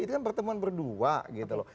itu kan pertemuan berdua gitu loh